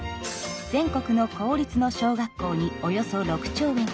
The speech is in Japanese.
全国の公立の小学校におよそ６兆円。